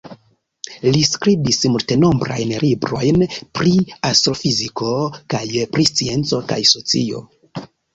Li skribis multenombrajn librojn pri astrofiziko kaj pri scienco kaj socio.